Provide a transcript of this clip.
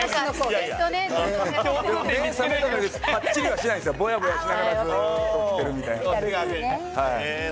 目、ぱっちりはしないんですよ、ぼやぼやしながらずっと起きてるっていう。